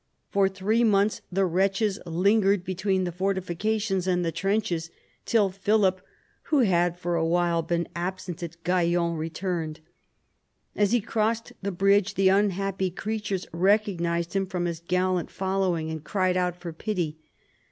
For three months the wretches lingered between the fortifications and the trenches, till Philip, who had for a while been absent at Gaillon, returned. As he crossed the bridge the unhappy creatures recognised him from his gallant following, and cried out for pity.